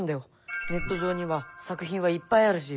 ネット上には作品はいっぱいあるし。